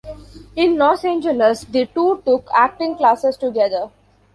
In Los Angeles, the two took acting classes together.